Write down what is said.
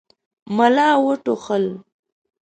ملا وټوخل.